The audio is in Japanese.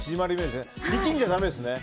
力んじゃだめですね。